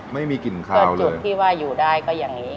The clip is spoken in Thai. ไม่มีกินข้าวส่วนจุดที่ว่าอยู่ได้ก็อย่างนี้